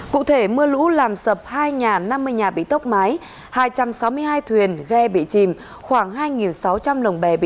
cụ thể mưa lũ làm sập hai nhà năm mươi nhà bị tốc mái hai trăm sáu mươi hai thuyền ghe bị chìm khoảng hai sáu trăm linh lồng bè bị